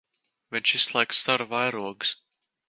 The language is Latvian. Viņš izslēgs staru vairogus.